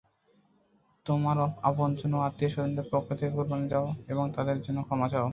তোমার আপনজন ও আত্মীয়-স্বজনদের পক্ষ থেকে কুরবানী দাও এবং তাদের জন্যে ক্ষমা চাও।